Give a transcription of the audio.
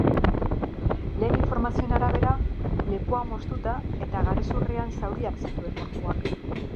Lehen informazioen arabera, lepoa moztuta eta garezurrean zauriak zituen gorpuak.